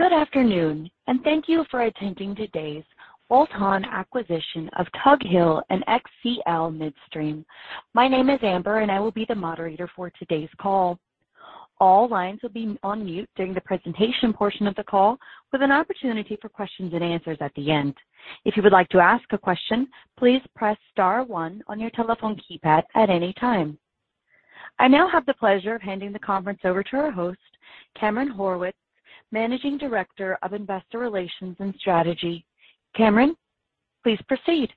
Good afternoon, and thank you for attending today's bolt-on acquisition of Tug Hill and XcL Midstream. My name is Amber, and I will be the moderator for today's call. All lines will be on mute during the presentation portion of the call, with an opportunity for questions and answers at the end. If you would like to ask a question, please press star one on your telephone keypad at any time. I now have the pleasure of handing the conference over to our host, Cameron Horwitz, Managing Director of Investor Relations and Strategy. Cameron, please proceed.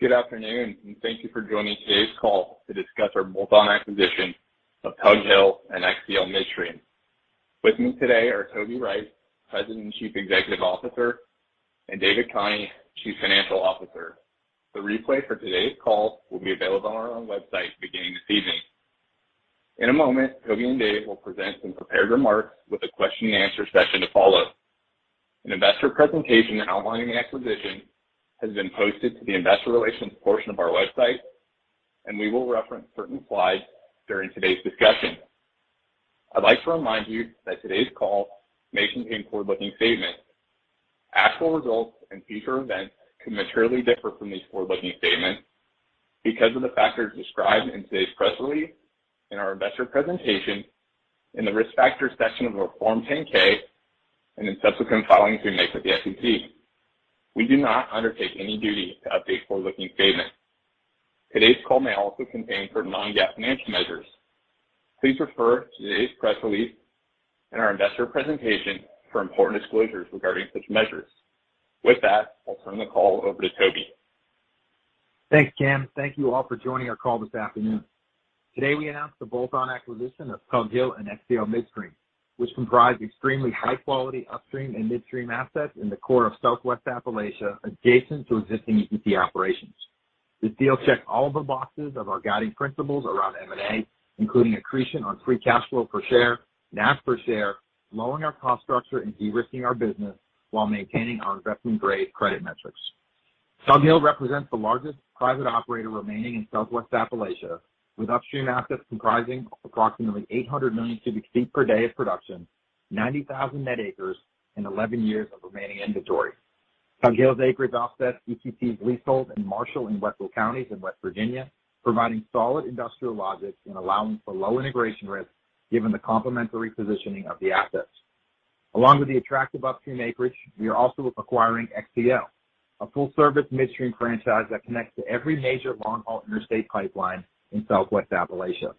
Good afternoon, and thank you for joining today's call to discuss our bolt-on acquisition of Tug Hill and XcL Midstream. With me today are Toby Rice, President and Chief Executive Officer, and David Khani, Chief Financial Officer. The replay for today's call will be available on our own website beginning this evening. In a moment, Toby and Dave will present some prepared remarks with a question-and-answer session to follow. An investor presentation outlining the acquisition has been posted to the investor relations portion of our website, and we will reference certain slides during today's discussion. I'd like to remind you that today's call may contain forward-looking statements. Actual results and future events can materially differ from these forward-looking statements because of the factors described in today's press release, in our investor presentation, in the Risk Factors section of our Form 10-K, and in subsequent filings we make with the SEC. We do not undertake any duty to update forward-looking statements. Today's call may also contain certain Non-GAAP financial measures. Please refer to today's press release and our investor presentation for important disclosures regarding such measures. With that, I'll turn the call over to Toby. Thanks, Cam. Thank you all for joining our call this afternoon. Today, we announced the bolt-on acquisition of Tug Hill and XcL Midstream, which comprise extremely high-quality upstream and midstream assets in the core of Southwest Appalachia, adjacent to existing EQT operations. This deal checked all the boxes of our guiding principles around M&A, including accretion on free cash flow per share, NAV per share, lowering our cost structure, and de-risking our business while maintaining our investment-grade credit metrics. Tug Hill represents the largest private operator remaining in Southwest Appalachia, with upstream assets comprising approximately 800 million cb ft per day of production, 90,000 net acres, and 11 years of remaining inventory. Tug Hill's acreage offsets EQT's leasehold in Marshall and Wetzel Counties in West Virginia, providing solid industrial logic and allowing for low integration risk given the complementary positioning of the assets. Along with the attractive upstream acreage, we are also acquiring XcL, a full-service midstream franchise that connects to every major long-haul interstate pipeline in Southwest Appalachia.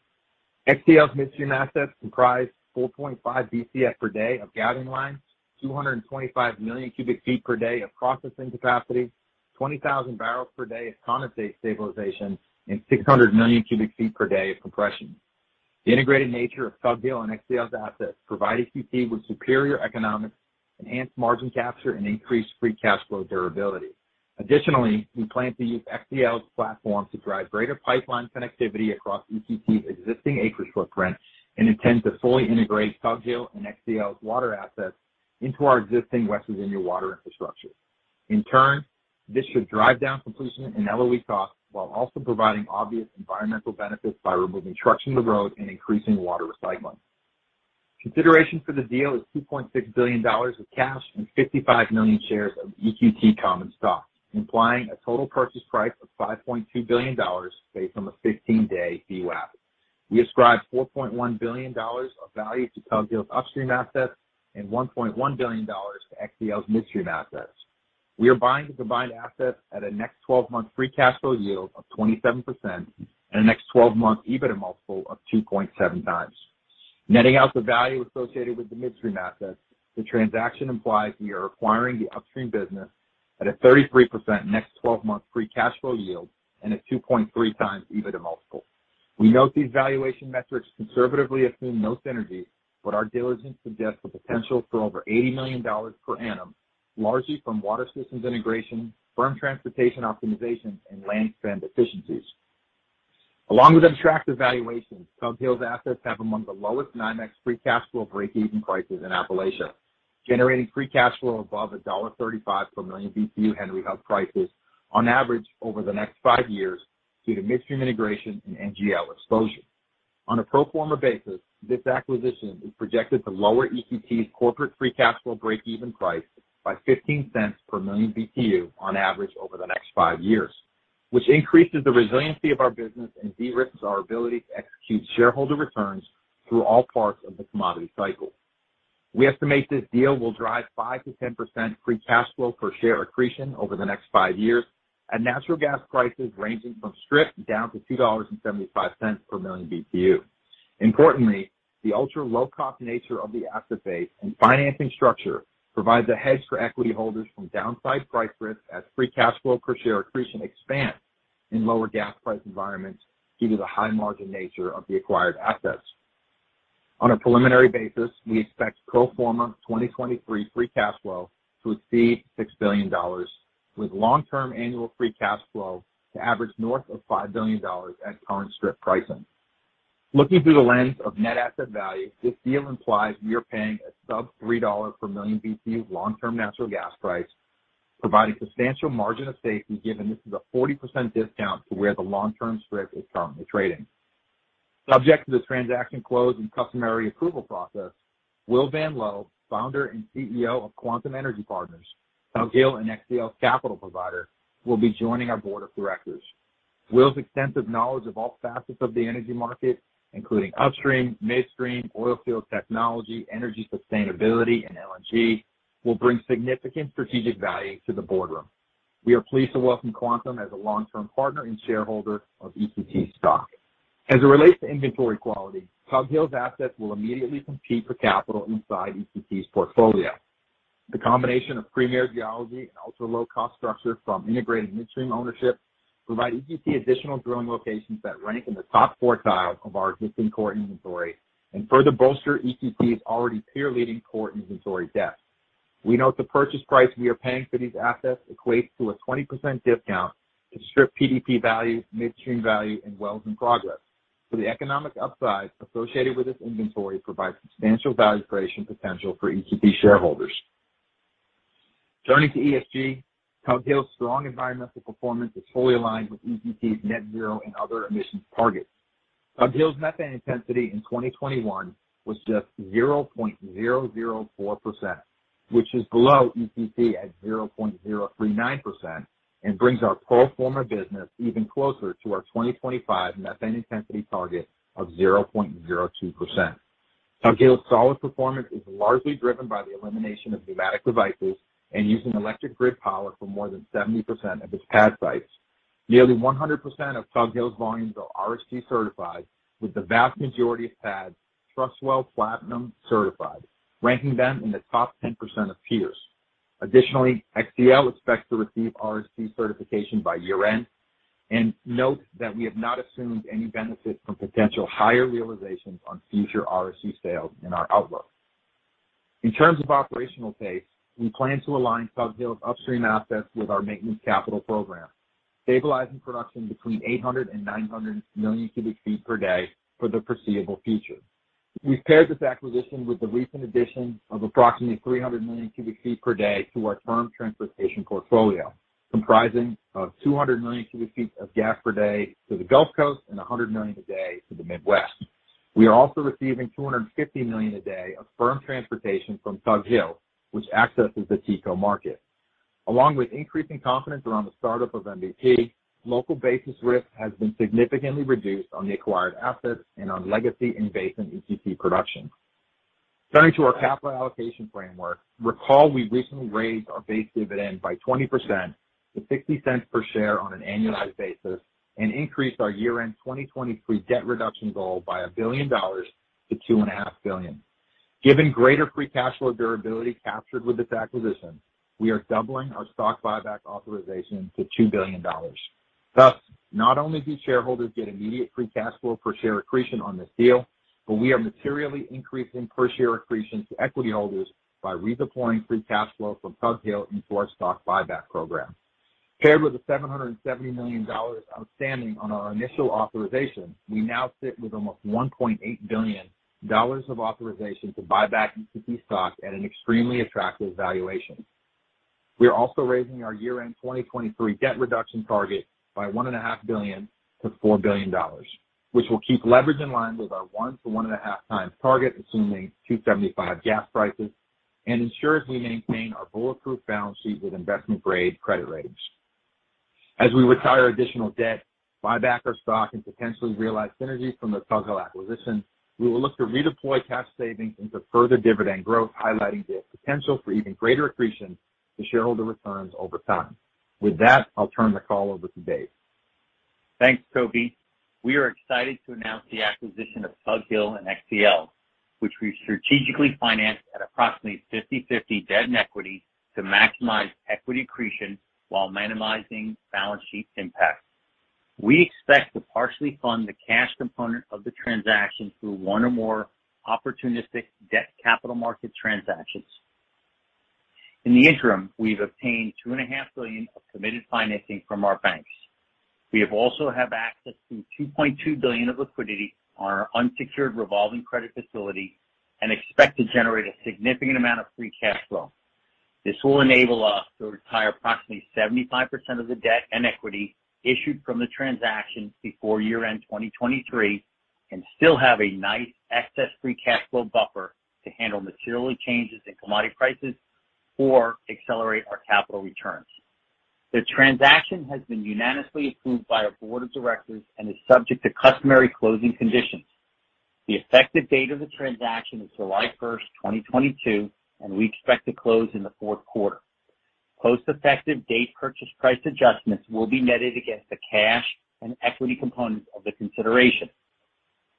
XcL's midstream assets comprise 4.5 BCF per day of gathering lines, 225 million cb ft per day of processing capacity, 20,000 barrels per day of condensate stabilization, and 600 million cb ft per day of compression. The integrated nature of Tug Hill and XcL's assets provide EQT with superior economics, enhanced margin capture, and increased free cash flow durability. Additionally, we plan to use XcL's platform to drive greater pipeline connectivity across EQT's existing acreage footprint and intend to fully integrate Tug Hill and XcL's water assets into our existing West Virginia water infrastructure. In turn, this should drive down completion and LOE costs while also providing obvious environmental benefits by removing trucks from the road and increasing water recycling. Consideration for the deal is $2.6 billion of cash and 55 million shares of EQT common stock, implying a total purchase price of $5.2 billion based on the 15-day VWAP. We ascribe $4.1 billion of value to Tug Hill's upstream assets and $1.1 billion to XcL's midstream assets. We are buying the combined assets at a next twelve-month free cash flow yield of 27% and a next 12-month EBITDA multiple of 2.7x. Netting out the value associated with the midstream assets, the transaction implies we are acquiring the upstream business at a 33% next 12-month free cash flow yield and a 2.3x EBITDA multiple. We note these valuation metrics conservatively assume no synergies, but our diligence suggests the potential for over $80 million per annum, largely from water systems integration, firm transportation optimization, and land spend efficiencies. Along with attractive valuations, Tug Hill's assets have among the lowest NYMEX free cash flow breakeven prices in Appalachia, generating free cash flow above $1.35 per million BTU Henry Hub prices on average over the next five years due to midstream integration and NGL exposure. On a pro forma basis, this acquisition is projected to lower EQT's corporate free cash flow breakeven price by $0.15 per million BTU on average over the next five years, which increases the resiliency of our business and de-risks our ability to execute shareholder returns through all parts of the commodity cycle. We estimate this deal will drive 5%-10% free cash flow per share accretion over the next five years at natural gas prices ranging from strip down to $2.75 per MMBtu. Importantly, the ultra-low-cost nature of the asset base and financing structure provides a hedge for equity holders from downside price risk as free cash flow per share accretion expands in lower gas price environments due to the high-margin nature of the acquired assets. On a preliminary basis, we expect pro forma 2023 free cash flow to exceed $6 billion, with long-term annual free cash flow to average north of $5 billion at current strip pricing. Looking through the lens of net asset value, this deal implies we are paying a sub-$3 per million BTU long-term natural gas price, providing substantial margin of safety given this is a 40% discount to where the long-term strip is currently trading. Subject to the transaction close and customary approval process, Wil VanLoh, Founder and CEO of Quantum Energy Partners, Tug Hill and XcL's capital provider, will be joining our board of directors. Wil's extensive knowledge of all facets of the energy market, including upstream, midstream, oil field technology, energy sustainability, and LNG, will bring significant strategic value to the boardroom. We are pleased to welcome Quantum as a long-term partner and shareholder of EQT's stock. As it relates to inventory quality, Tug Hill's assets will immediately compete for capital inside EQT's portfolio. The combination of premier geology and ultra-low cost structure from integrated midstream ownership provide EQT additional drilling locations that rank in the top quartile of our existing core inventory and further bolster EQT's already peer-leading core inventory depth. We note the purchase price we are paying for these assets equates to a 20% discount to strip PDP value, midstream value, and wells in progress. The economic upside associated with this inventory provides substantial value creation potential for EQT shareholders. Turning to ESG, Tug Hill's strong environmental performance is fully aligned with EQT's net zero and other emissions targets. Tug Hill's methane intensity in 2021 was just 0.004%, which is below EQT at 0.039% and brings our pro forma business even closer to our 2025 methane intensity target of 0.002%. Tug Hill's solid performance is largely driven by the elimination of pneumatic devices and using electric grid power for more than 70% of its pad sites. Nearly 100% of Tug Hill's volumes are RSG certified, with the vast majority of pads TrustWell Platinum certified, ranking them in the top 10% of peers. Additionally, XcL expects to receive RSG certification by year-end. Note that we have not assumed any benefit from potential higher realizations on future RSG sales in our outlook. In terms of operational pace, we plan to align Tug Hill's upstream assets with our maintenance capital program, stabilizing production between 800 and 900 million cb ft per day for the foreseeable future. We've paired this acquisition with the recent addition of approximately 300 million cb ft per day to our firm transportation portfolio, comprising of 200 million cb ft of gas per day to the Gulf Coast and 100 million a day to the Midwest. We are also receiving 250 million a day of firm transportation from Tug Hill, which accesses the TCO market. Along with increasing confidence around the startup of MVP, local basis risk has been significantly reduced on the acquired assets and on legacy in-basin ECP production. Turning to our capital allocation framework, recall we recently raised our base dividend by 20% to $0.60 per share on an annualized basis and increased our year-end 2023 debt reduction goal by $1 billion to $2.5 billion. Given greater free cash flow durability captured with this acquisition, we are doubling our stock buyback authorization to $2 billion. Thus, not only do shareholders get immediate free cash flow per share accretion on this deal, but we are materially increasing per share accretion to equity holders by redeploying free cash flow from Tug Hill into our stock buyback program. Paired with the $770 million outstanding on our initial authorization, we now sit with almost $1.8 billion of authorization to buy back EQT stock at an extremely attractive valuation. We are also raising our year-end 2023 debt reduction target by $1.5 billion-$4 billion, which will keep leverage in line with our 1-1.5x target, assuming $2.75 gas prices, and ensures we maintain our bulletproof balance sheet with investment-grade credit ratings. As we retire additional debt, buy back our stock, and potentially realize synergies from the Tug Hill acquisition, we will look to redeploy cash savings into further dividend growth, highlighting the potential for even greater accretion to shareholder returns over time. With that, I'll turn the call over to Dave. Thanks, Toby. We are excited to announce the acquisition of Tug Hill and XcL Midstream, which we strategically financed at approximately 50/50 debt and equity to maximize equity accretion while minimizing balance sheet impact. We expect to partially fund the cash component of the transaction through one or more opportunistic debt capital market transactions. In the interim, we've obtained $2.5 billion of committed financing from our banks. We also have access to $2.2 billion of liquidity on our unsecured revolving credit facility and expect to generate a significant amount of free cash flow. This will enable us to retire approximately 75% of the debt and equity issued from the transaction before year-end 2023 and still have a nice excess free cash flow buffer to handle material changes in commodity prices or accelerate our capital returns. The transaction has been unanimously approved by our board of directors and is subject to customary closing conditions. The effective date of the transaction is July 1st, 2022, and we expect to close in the fourth quarter. Post-effective date purchase price adjustments will be netted against the cash and equity components of the consideration.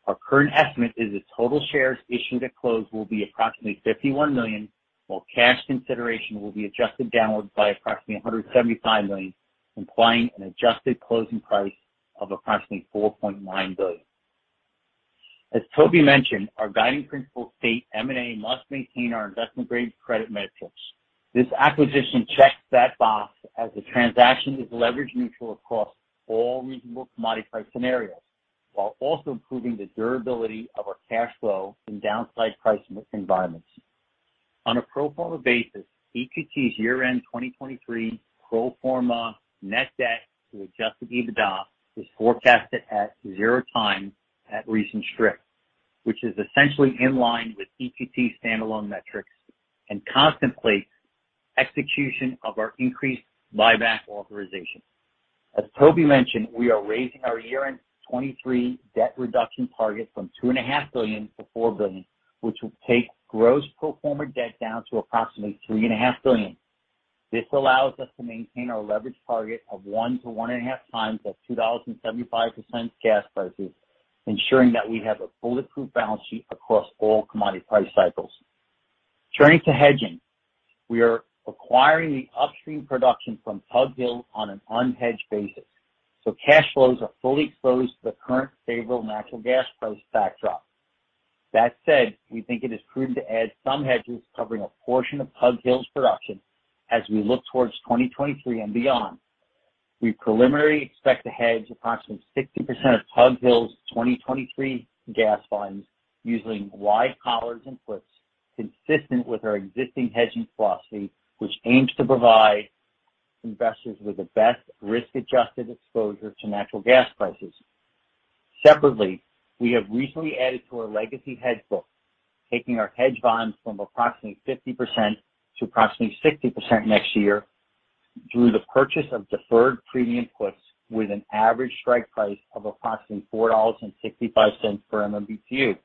Our current estimate is that total shares issued at close will be approximately 51 million, while cash consideration will be adjusted downwards by approximately $175 million, implying an adjusted closing price of approximately $4.9 billion. As Toby mentioned, our guiding principles state M&A must maintain our investment-grade credit metrics. This acquisition checks that box as the transaction is leverage neutral across all reasonable commodity price scenarios while also improving the durability of our cash flow in downside price environments. On a pro forma basis, EQT's year-end 2023 pro forma net debt to adjusted EBITDA is forecasted at 0x at recent strip, which is essentially in line with EQT standalone metrics and contemplates execution of our increased buyback authorization. As Toby mentioned, we are raising our year-end 2023 debt reduction target from $2.5 billion to $4 billion, which will take gross pro forma debt down to approximately $3.5 billion. This allows us to maintain our leverage target of 1x-1.5x at $2.75 gas prices, ensuring that we have a bulletproof balance sheet across all commodity price cycles. Turning to hedging. We are acquiring the upstream production from Tug Hill on an unhedged basis, so cash flows are fully exposed to the current favorable natural gas price backdrop. That said, we think it is prudent to add some hedges covering a portion of Tug Hill's production as we look towards 2023 and beyond. We preliminarily expect to hedge approximately 60% of Tug Hill's 2023 gas volumes using wide collars and puts consistent with our existing hedging philosophy, which aims to provide investors with the best risk-adjusted exposure to natural gas prices. Separately, we have recently added to our legacy hedge book, taking our hedge book from approximately 50% to approximately 60% next year through the purchase of deferred premium puts with an average strike price of approximately $4.65 per MMBtu.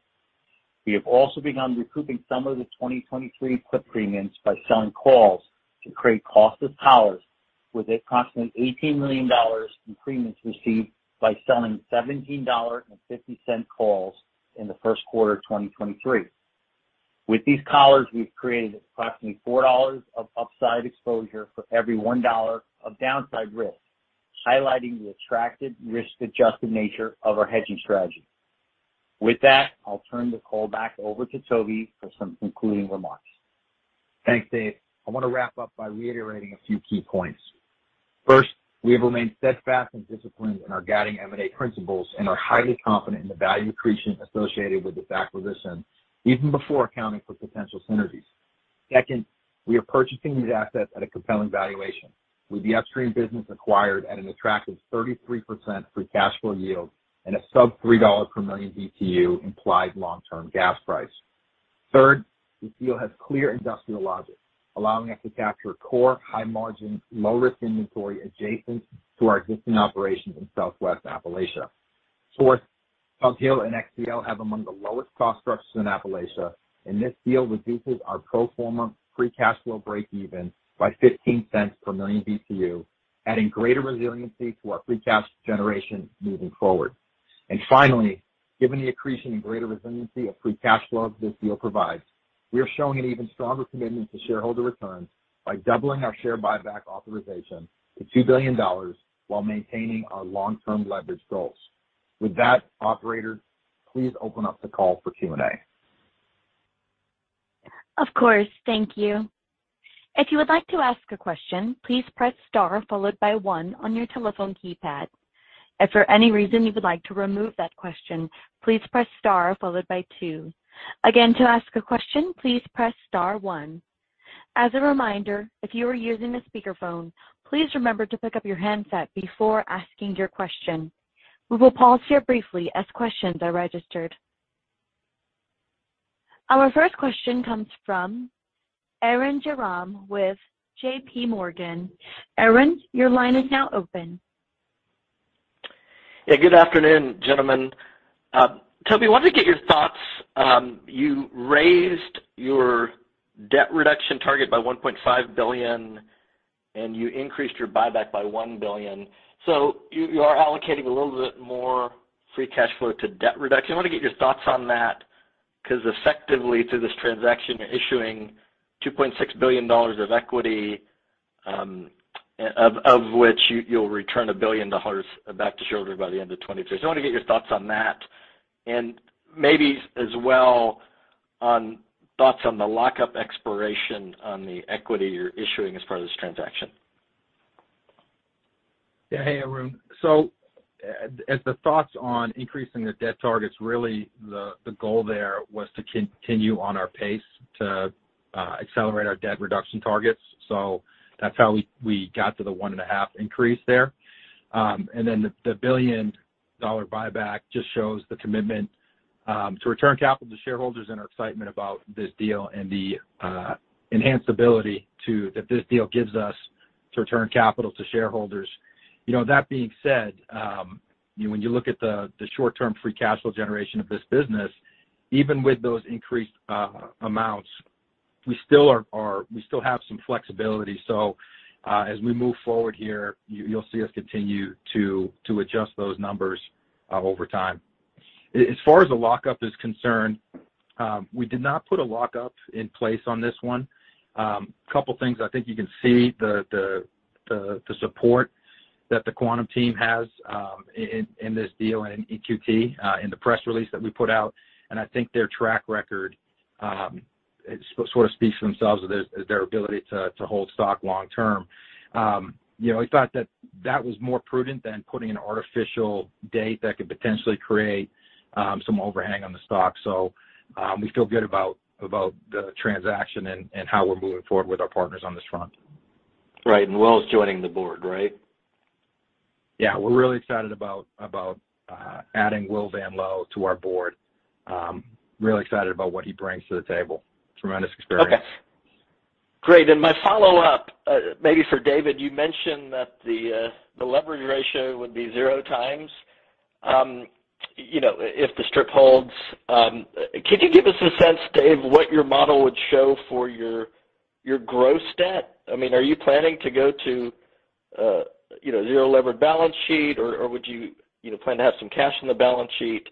We have also begun recouping some of the 2023 put premiums by selling calls to create costless collars with approximately $18 million in premiums received by selling $17.50 calls in the first quarter of 2023. With these collars, we've created approximately $4 of upside exposure for every $1 of downside risk, highlighting the attractive risk-adjusted nature of our hedging strategy. With that, I'll turn the call back over to Toby for some concluding remarks. Thanks, Dave. I want to wrap up by reiterating a few key points. First, we have remained steadfast and disciplined in our guiding M&A principles and are highly confident in the value accretion associated with this acquisition even before accounting for potential synergies. Second, we are purchasing these assets at a compelling valuation, with the upstream business acquired at an attractive 33% free cash flow yield and a sub-$3 per MMBtu implied long-term gas price. Third, this deal has clear industrial logic, allowing us to capture core high margin, low-risk inventory adjacent to our existing operations in Southwest Appalachia. Fourth, Tug Hill and XcL have among the lowest cost structures in Appalachia, and this deal reduces our pro forma free cash flow breakeven by $0.15 per MMBtu, adding greater resiliency to our free cash generation moving forward. Finally, given the accretion and greater resiliency of free cash flow this deal provides, we are showing an even stronger commitment to shareholder returns by doubling our share buyback authorization to $2 billion while maintaining our long-term leverage goals. With that, operator, please open up the call for Q&A. Of course. Thank you. If you would like to ask a question, please press star followed by one on your telephone keypad. If for any reason you would like to remove that question, please press star followed by two. Again, to ask a question, please press star one. As a reminder, if you are using a speakerphone, please remember to pick up your handset before asking your question. We will pause here briefly as questions are registered. Our first question comes from Arun Jayaram with J.P. Morgan. Arun, your line is now open. Yeah. Good afternoon, gentlemen. Toby, wanted to get your thoughts. You raised your debt reduction target by $1.5 billion and you increased your buyback by $1 billion. You are allocating a little bit more free cash flow to debt reduction. I want to get your thoughts on that, 'cause effectively through this transaction, you're issuing $2.6 billion of equity, of which you'll return $1 billion back to shareholder by the end of 2023. I want to get your thoughts on that and maybe as well on thoughts on the lockup expiration on the equity you're issuing as part of this transaction. Yeah. Hey, Arun. As the thoughts on increasing the debt targets, really, the goal there was to continue on our pace to accelerate our debt reduction targets. That's how we got to the 1.5 increase there. Then the $1 billion buyback just shows the commitment to return capital to shareholders and our excitement about this deal and the enhanced ability that this deal gives us to return capital to shareholders. You know, that being said, you know, when you look at the short-term free cash flow generation of this business, even with those increased amounts, we still have some flexibility. As we move forward here, you'll see us continue to adjust those numbers over time. As far as the lockup is concerned, we did not put a lockup in place on this one. Couple things I think you can see the support that the Quantum team has in this deal and in EQT in the press release that we put out. I think their track record sort of speaks for themselves as their ability to hold stock long-term. You know, we thought that was more prudent than putting an artificial date that could potentially create some overhang on the stock. We feel good about the transaction and how we're moving forward with our partners on this front. Right. Wil's joining the board, right? Yeah, we're really excited about adding Wil VanLoh to our board. Really excited about what he brings to the table. Tremendous experience. Okay. Great. My follow-up, maybe for David, you mentioned that the leverage ratio would be zero times, you know, if the strip holds. Could you give us a sense, Dave, what your model would show for your gross debt? I mean, are you planning to go to, you know, zero levered balance sheet, or would you know, plan to have some cash in the balance sheet?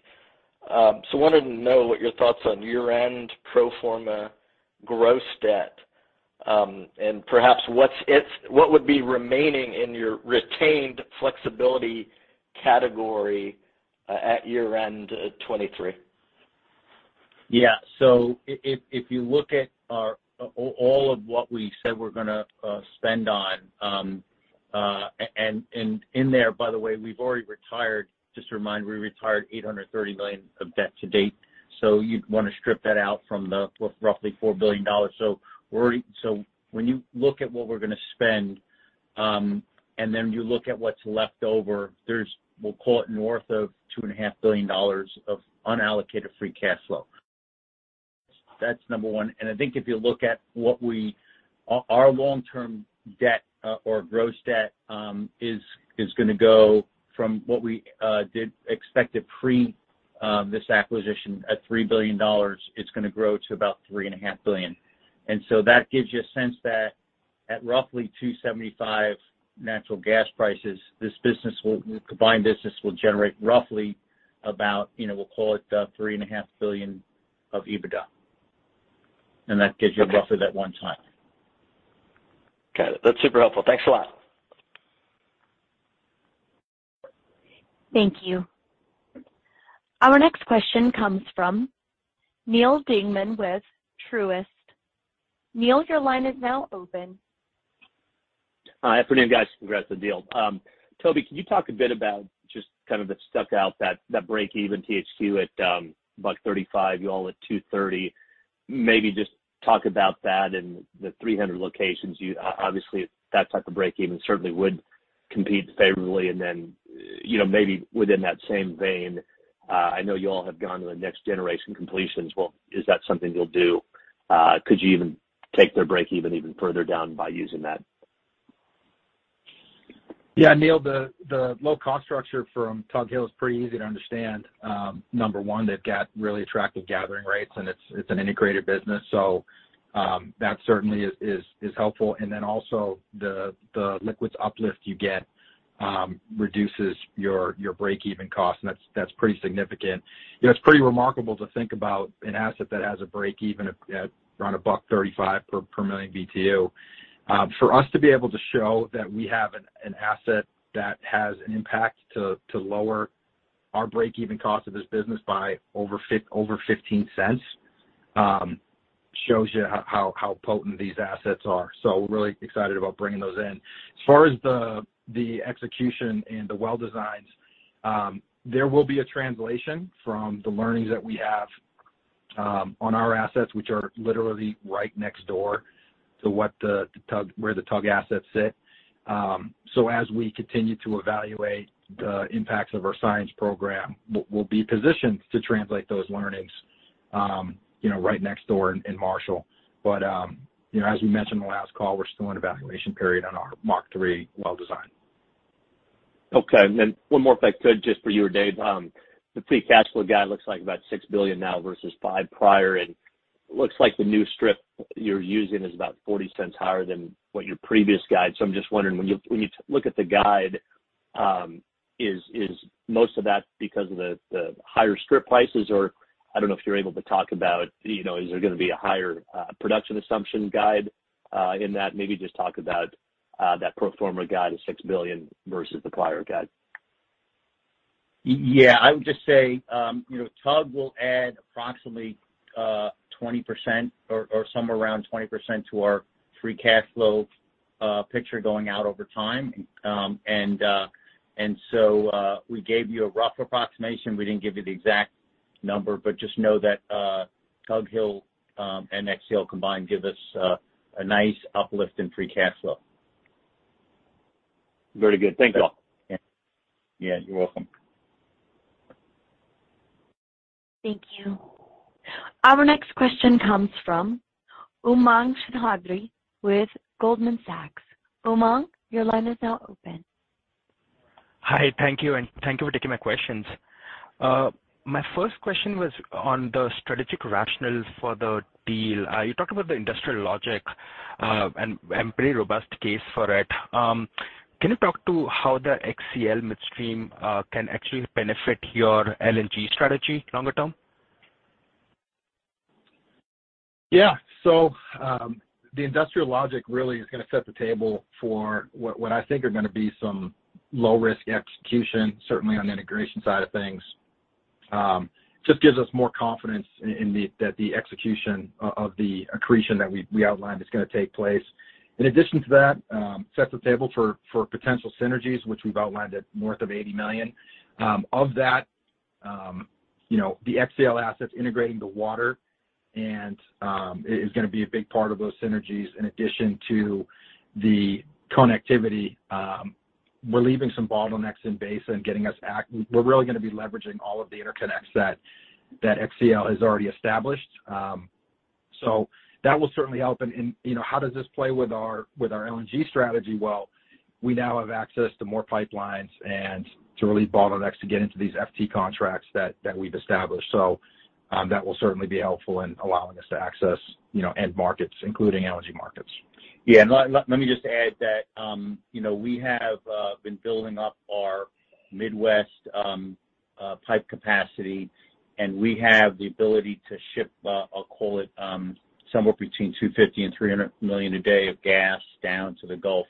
Wanted to know what your thoughts on year-end pro forma gross debt, and perhaps what would be remaining in your retained flexibility category, at year-end 2023. Yeah. If you look at all of what we said we're gonna spend on. In there, by the way, we've already retired, just to remind, we retired $830 million of debt to date. You'd wanna strip that out from the roughly $4 billion. When you look at what we're gonna spend, and then you look at what's left over, we'll call it north of $2.5 billion of unallocated free cash flow. That's number one. I think if you look at our long-term debt or gross debt is gonna go from what we did expect it pre this acquisition at $3 billion, it's gonna grow to about $3.5 billion. That gives you a sense that at roughly $2.75 natural gas prices, this combined business will generate roughly about, you know, we'll call it, $3.5 billion of EBITDA. That gives you roughly that 1 time. Got it. That's super helpful. Thanks a lot. Thank you. Our next question comes from Neal Dingmann with Truist. Neal, your line is now open. Hi. Afternoon, guys. Congrats on the deal. Toby, can you talk a bit about just kind of it stuck out that breakeven THQ at $1.35, y'all at $2.30. Maybe just talk about that and the 300 locations you obviously that type of breakeven certainly would compete favorably. Then, you know, maybe within that same vein, I know y'all have gone to the next generation completions. Well, is that something you'll do? Could you even take their breakeven even further down by using that? Yeah, Neal. The low-cost structure from Tug Hill is pretty easy to understand. Number one, they've got really attractive gathering rates, and it's an integrated business. That certainly is helpful. Then also the liquids uplift you get reduces your breakeven cost, and that's pretty significant. You know, it's pretty remarkable to think about an asset that has a breakeven at around $1.35 per million BTU. For us to be able to show that we have an asset that has an impact to lower our breakeven cost of this business by over $0.15 shows you how potent these assets are. We're really excited about bringing those in. As far as the execution and the well designs, there will be a translation from the learnings that we have on our assets, which are literally right next door to where the Tug assets sit. As we continue to evaluate the impacts of our science program, we'll be positioned to translate those learnings, you know, right next door in Marshall. You know, as we mentioned in the last call, we're still in evaluation period on our Mark III well design. Okay. One more if I could just for you or Dave. The free cash flow guide looks like about $6 billion now versus $5 billion prior, and looks like the new strip you're using is about $0.40 higher than what your previous guide. I'm just wondering, when you look at the guide, is most of that because of the higher strip prices? Or I don't know if you're able to talk about, you know, is there gonna be a higher production assumption guide in that? Maybe just talk about that pro forma guide of $6 billion versus the prior guide. Yeah. I would just say, you know, Tug will add approximately 20% or somewhere around 20% to our free cash flow picture going out over time. We gave you a rough approximation. We didn't give you the exact number, but just know that Tug Hill and XcL combined give us a nice uplift in free cash flow. Very good. Thanks, y'all. Yeah. You're welcome. Thank you. Our next question comes from Umang Choudhary with Goldman Sachs. Umang, your line is now open. Hi. Thank you, and thank you for taking my questions. My first question was on the strategic rationales for the deal. You talked about the industrial logic, and pretty robust case for it. Can you talk to how the XcL Midstream can actually benefit your LNG strategy longer-term? Yeah. The industrial logic really is gonna set the table for what I think are gonna be some low-risk execution, certainly on the integration side of things. Just gives us more confidence in that the execution of the accretion that we outlined is gonna take place. In addition to that, sets the table for potential synergies, which we've outlined at north of $80 million. Of that, you know, the XcL assets integrating the water and is gonna be a big part of those synergies in addition to the connectivity. We're relieving some bottlenecks in basin and getting us access. We're really gonna be leveraging all of the interconnects that XcL has already established. So that will certainly help. You know, how does this play with our LNG strategy? Well, we now have access to more pipelines and to relieve bottlenecks to get into these FT contracts that we've established. That will certainly be helpful in allowing us to access, you know, end markets, including LNG markets. Yeah. Let me just add that, you know, we have been building up our Midwest pipe capacity, and we have the ability to ship, I'll call it, somewhere between 250 and 300 million a day of gas down to the Gulf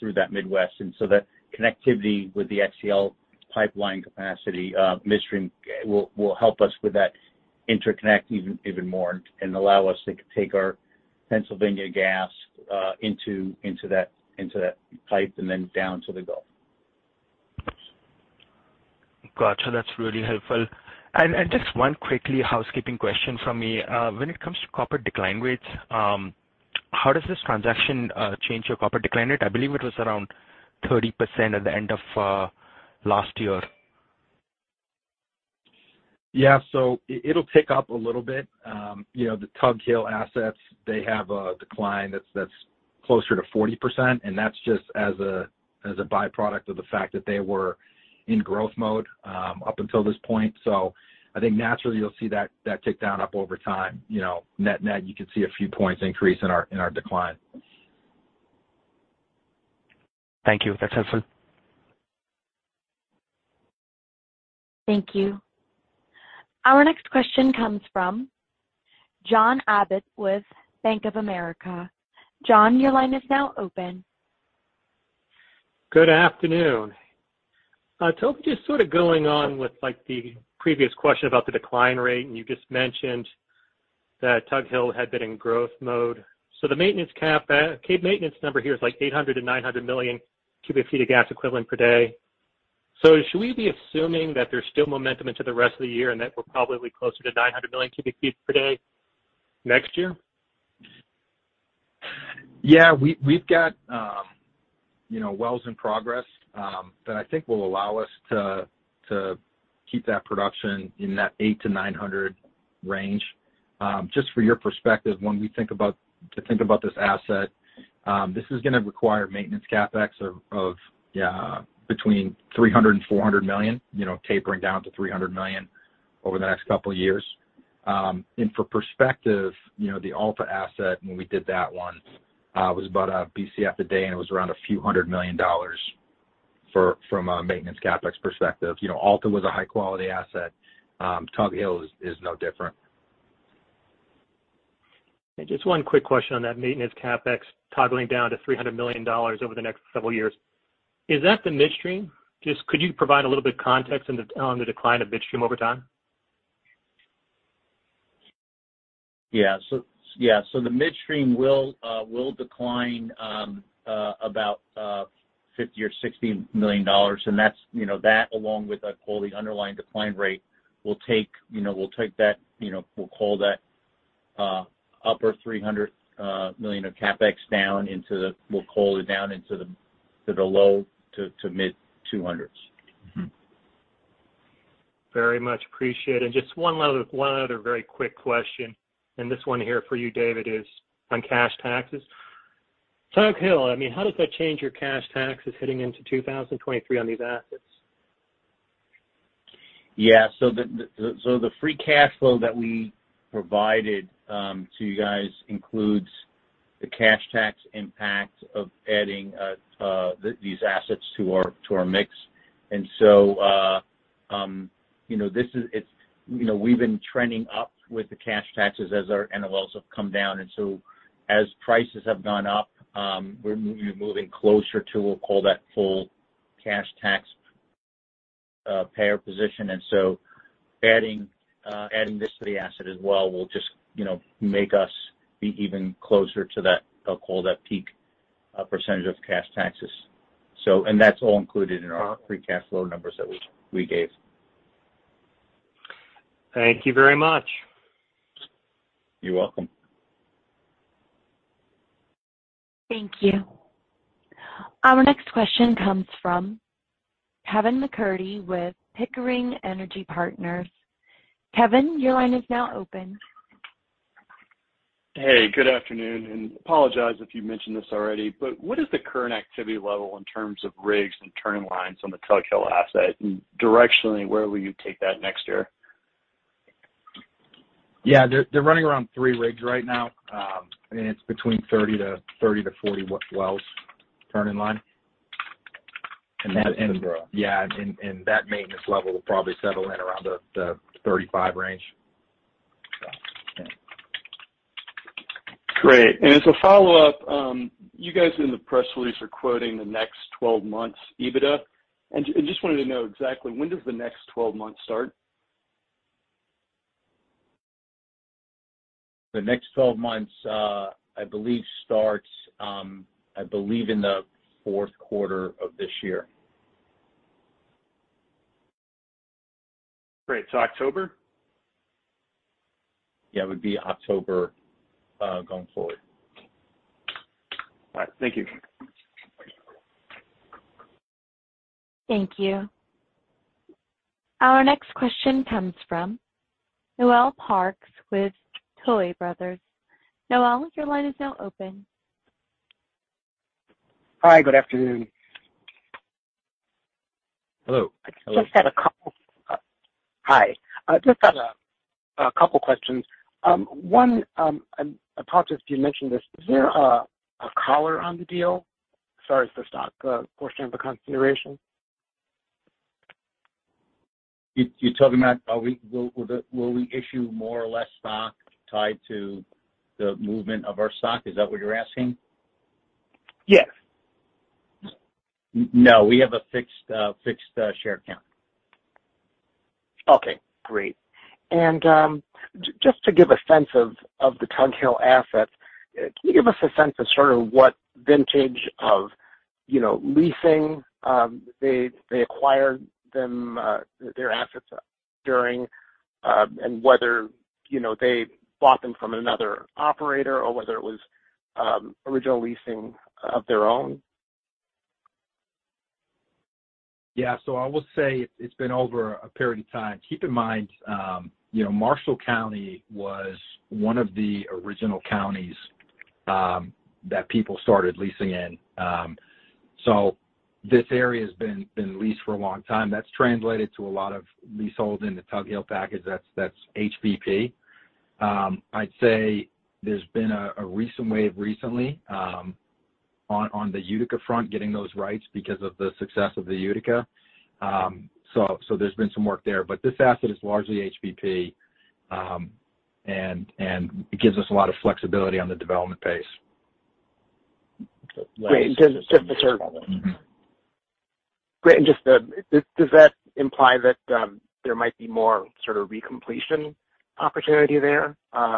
through that Midwest. That connectivity with the XcL pipeline capacity midstream will help us with that interconnect even more and allow us to take our Pennsylvania gas into that pipe and then down to the Gulf. Got you. That's really helpful. Just one quickly housekeeping question from me. When it comes to curve decline rates, how does this transaction change your curve decline rate? I believe it was around 30% at the end of last year. Yeah. It'll tick up a little bit. You know, the Tug Hill assets, they have a decline that's closer to 40%, and that's just as a byproduct of the fact that they were in growth mode up until this point. I think naturally you'll see that tick down up over time. You know, net-net, you could see a few points increase in our decline. Thank you. That's helpful. Thank you. Our next question comes from John Abbott with Bank of America. John, your line is now open. Good afternoon. Toby, just sort of going on with, like, the previous question about the decline rate, and you just mentioned that Tug Hill had been in growth mode. The maintenance CapEx number here is, like, 800-900 million cb ft of gas equivalent per day. Should we be assuming that there's still momentum into the rest of the year and that we're probably closer to 900 million cb ft per day next year? We've got, you know, wells in progress that I think will allow us to keep that production in that 800-900 range. Just for your perspective, to think about this asset, this is gonna require maintenance CapEx of between $300 million and $400 million, you know, tapering down to $300 million over the next couple years. For perspective, you know, the Alta asset, when we did that one, was about a BCF a day, and it was around $a few hundred million from a maintenance CapEx perspective. You know, Alta was a high quality asset. Tug Hill is no different. Just one quick question on that maintenance CapEx toggling down to $300 million over the next several years. Is that the midstream? Just could you provide a little bit of context on the decline of midstream over time? The midstream will decline about $50 million or $60 million. That's, you know, that along with, I'd call the underlying decline rate, will take that, you know, we'll call that upper 300 million of CapEx down into the low to mid 200s. Very much appreciated. Just one other very quick question, this one here for you, David, is on cash taxes. Tug Hill, I mean, how does that change your cash taxes heading into 2023 on these assets? Yeah. The free cash flow that we provided to you guys includes the cash tax impact of adding these assets to our mix. You know, this is. It's you know we've been trending up with the cash taxes as our NOLs have come down. As prices have gone up, we're moving closer to what we'll call that full cash tax payer position. Adding this to the asset as well will just you know make us be even closer to that, what I'll call that peak percentage of cash taxes. That's all included in our free cash flow numbers that we gave. Thank you very much. You're welcome. Thank you. Our next question comes from Kevin MacCurdy with Pickering Energy Partners. Kevin, your line is now open. Hey, good afternoon, and I apologize if you mentioned this already, but what is the current activity level in terms of rigs and turning in line on the Tug Hill asset? Directionally, where will you take that next year? Yeah. They're running around three rigs right now. It's between 30-40 wells turn in line. That's in, bro. Yeah. That maintenance level will probably settle in around the 35 range. Great. As a follow-up, you guys in the press release are quoting the next 12 months EBITDA. Just wanted to know exactly when does the next 12 months start? The next 12 months, I believe starts in the fourth quarter of this year. Great. October? Yeah, it would be October, going forward. All right. Thank you. Thank you. Our next question comes from Noel Parks with Tuohy Brothers. Noel, your line is now open. Hi. Good afternoon. Hello. I just had a couple questions. One, and I apologize if you mentioned this, is there a collar on the deal as far as the stock portion of the consideration? You're talking about will we issue more or less stock tied to the movement of our stock? Is that what you're asking? Yes. No, we have a fixed share count. Okay, great. Just to give a sense of the Tug Hill assets, can you give us a sense of sort of what vintage of leasing, you know, they acquired their assets during, and whether, you know, they bought them from another operator or whether it was original leasing of their own? Yeah. I will say it's been over a period of time. Keep in mind, you know, Marshall County was one of the original counties that people started leasing in. This area has been leased for a long time. That's translated to a lot of leaseholds in the Tug Hill package that's HBP. I'd say there's been a recent wave recently on the Utica front getting those rights because of the success of the Utica. There's been some work there. This asset is largely HBP, and it gives us a lot of flexibility on the development pace. Great. Just, does that imply that there might be more sort of recompletion opportunity there,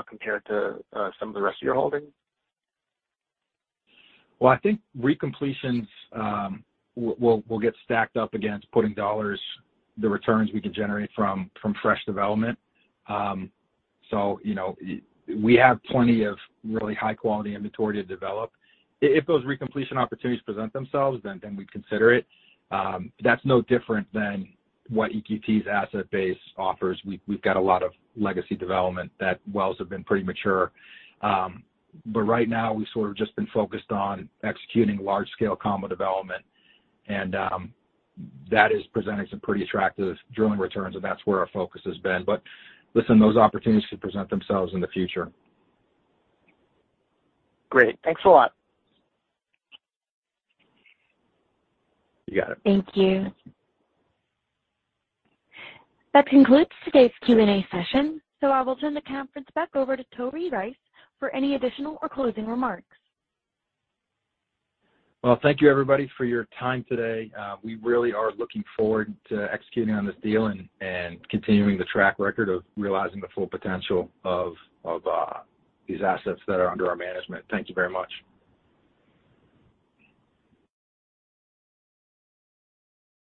compared to some of the rest of your holdings? Well, I think recompletions will get stacked up against putting dollars, the returns we can generate from fresh development. You know, we have plenty of really high quality inventory to develop. If those recompletion opportunities present themselves, then we'd consider it. That's no different than what EQT's asset base offers. We've got a lot of legacy development that wells have been pretty mature. Right now, we've sort of just been focused on executing large scale combo development, and that is presenting some pretty attractive drilling returns, and that's where our focus has been. Listen, those opportunities should present themselves in the future. Great. Thanks a lot. You got it. Thank you. That concludes today's Q&A session, so I will turn the conference back over to Toby Rice for any additional or closing remarks. Well, thank you, everybody, for your time today. We really are looking forward to executing on this deal and continuing the track record of realizing the full potential of these assets that are under our management. Thank you very much.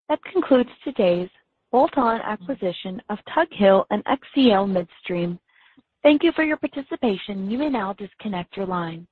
That concludes today's bolt-on acquisition of Tug Hill and XcL Midstream. Thank you for your participation. You may now disconnect your line.